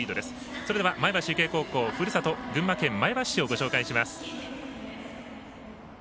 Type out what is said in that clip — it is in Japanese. それでは、前橋育英ふるさとの群馬県前橋市をご紹介します。